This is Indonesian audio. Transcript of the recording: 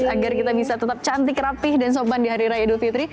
agar kita bisa tetap cantik rapih dan sopan di hari raya idul fitri